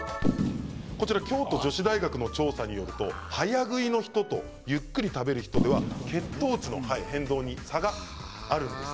京都女子大学の調査によると早食いの人とゆっくり食べる人では血糖値の変動に差があるということなんです。